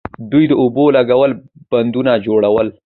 دوی د اوبو لګولو بندونه جوړول